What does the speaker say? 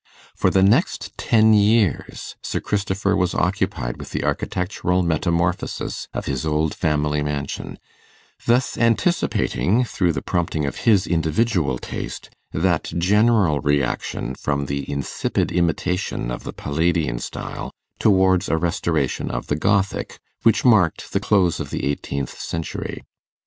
For the next ten years Sir Christopher was occupied with the architectural metamorphosis of his old family mansion; thus anticipating, through the prompting of his individual taste, that general reaction from the insipid imitation of the Palladian style, towards a restoration of the Gothic, which marked the close of the eighteenth century.